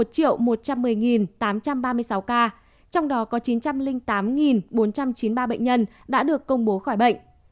một trăm một mươi tám trăm ba mươi sáu ca trong đó có chín trăm linh tám bốn trăm chín mươi ba bệnh nhân đã được công bố khỏi bệnh